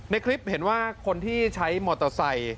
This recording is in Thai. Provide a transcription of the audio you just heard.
ในคลิปเห็นว่าคนที่ใช้มอเตอร์ไซค์